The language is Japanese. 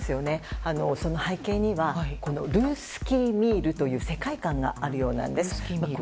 その背景にはルースキー・ミールという世界観があるようなんです。